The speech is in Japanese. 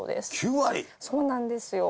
そうなんですよ。